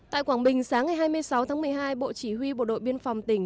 tại quảng bình sáng ngày hai mươi sáu tháng một mươi hai bộ chỉ huy bộ đội biên phòng tỉnh